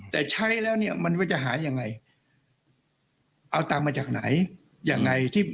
แต่ใช้แล้วมันจะหาอย่างไรเอาตังค์มาจากไหน